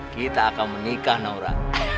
kita akan menikah naura